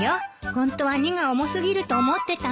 ホントは荷が重過ぎると思ってたの。